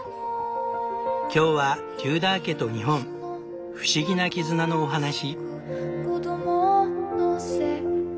今日はテューダー家と日本不思議な絆のお話。